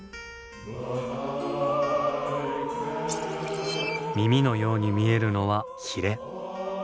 耳のように見えるのはヒレ。